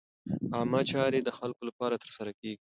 عامه چارې د خلکو لپاره ترسره کېږي.